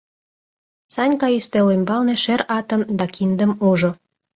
Санька ӱстел ӱмбалне шӧр атым да киндым ужо.